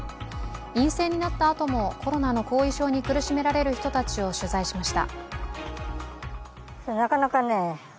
陰性になったあともコロナの後遺症に苦しめられる人たちを取材しました。